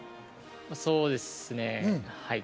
そうですねはい。